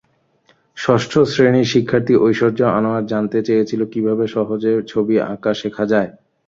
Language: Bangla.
ষষ্ঠ শ্রেণীর শিক্ষার্থী ঐশ্বর্য্য আনোয়ার জানতে চেয়েছিল কীভাবে সহজে ছবি আঁকা শেখা যায়।